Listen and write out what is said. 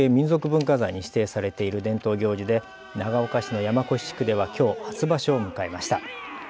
文化財に指定されている伝統行事で長岡市の山古志地区ではきょう初場所を迎えました。